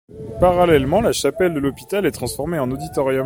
Parallèlement, la chapelle de l'hôpital est transformée en auditorium.